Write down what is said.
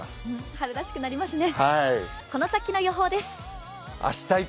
春らしくなりますね。